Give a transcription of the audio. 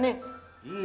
tuh tenang sih nay